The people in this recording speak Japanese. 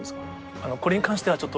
これに関しては。